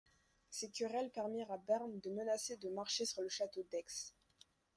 Ces querelles permirent à Berne de menacer de marcher sur le Château-d'Œx.